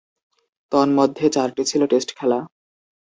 তন্মধ্যে চারটি ছিল টেস্ট খেলা।